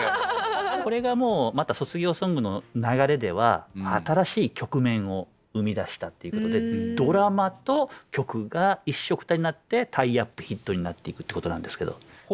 これがもうまた卒業ソングの流れでは新しい局面を生み出したっていうことでドラマと曲が一緒くたになってタイアップヒットになっていくってことなんですけど。